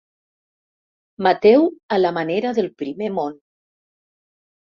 Mateu a la manera del primer món.